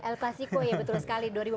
el pasiko ya betul sekali